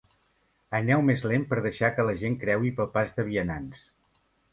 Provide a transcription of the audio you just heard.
Aneu més lent per deixar que la gent creui pel pas de vianants.